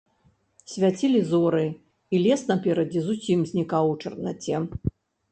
Свяцілі зоры, і лес наперадзе зусім знікаў у чарнаце.